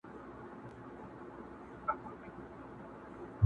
له هر چا یې دی د عقل میدان وړی؛